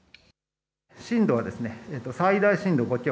震度は最大震度５強。